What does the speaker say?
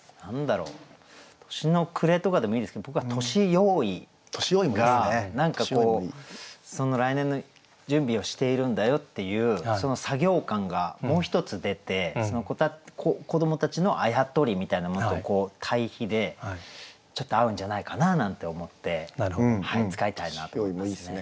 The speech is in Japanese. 「年の暮」とかでもいいですけど僕は「年用意」が何かこう来年の準備をしているんだよっていうその作業感がもう一つ出てその子どもたちのあやとりみたいなものと対比でちょっと合うんじゃないかななんて思って使いたいなと思いますね。